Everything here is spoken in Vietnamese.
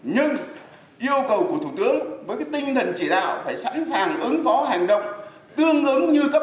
nhưng yêu cầu của thủ tướng với tinh thần chỉ đạo phải sẵn sàng ứng phó hành động tương ứng như cấp